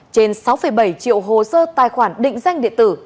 trên sáu bảy triệu hồ sơ tài khoản định danh điện tử